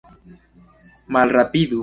Malrapidu!